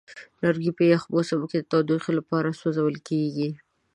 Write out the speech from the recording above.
لرګی په یخ موسم کې د تودوخې لپاره سوځول کېږي.